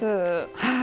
はい。